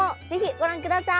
ご覧ください。